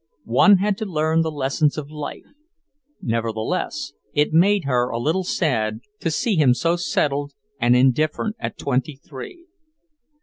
One had to learn the lessons of life. Nevertheless, it made her a little sad to see him so settled and indifferent at twenty three.